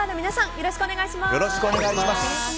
よろしくお願いします。